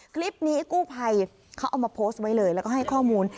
คลิปนี้กู้ภัยเขาเอามาโพสต์ไว้เลยแล้วก็ให้ข้อมูล